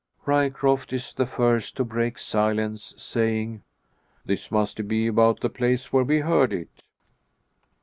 Ryecroft is the first to break silence, saying, "This must be about the place where we heard it."